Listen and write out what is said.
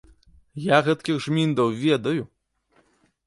Я гэткіх жміндаў ведаю!